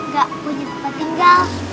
gak punya tempat tinggal